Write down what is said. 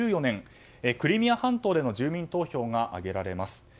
クリミア半島での住民投票が挙げられます。